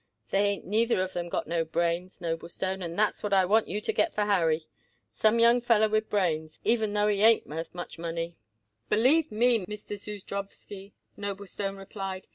They ain't neither of 'em got no brains, Noblestone, and that's what I want you to get for Harry, some young feller with brains, even though he ain't worth much money." "Believe me, Mr. Zudrowsky," Noblestone replied.